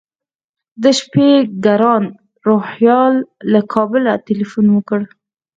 د شپې ګران روهیال له کابله تیلفون وکړ.